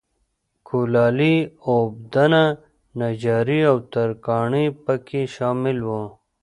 کولالي، اوبدنه، نجاري او ترکاڼي په کې شامل وو